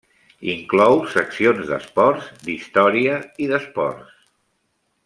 Inclou seccions d'esports, d'història i d'esports.